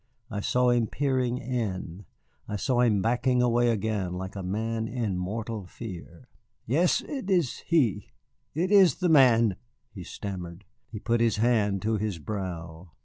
I saw him peering in, I saw him backing away again like a man in mortal fear. "Yes, it is he it is the man," he stammered. He put his hand to his brow.